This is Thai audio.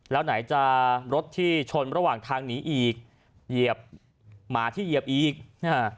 แล้วไหนจะรถที่ชนระหว่างทางหนีอีกเหยียบหมาที่เหยียบอีกนะฮะ